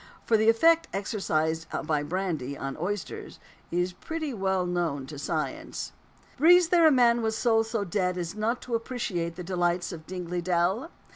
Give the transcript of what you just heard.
For the effect exercised by brandy on oysters is pretty well known to science. Breathes there a man with soul so dead as not to appreciate the delights of Dingley Dell?